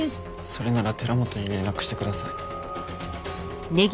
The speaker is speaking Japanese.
それなら寺本に連絡してください。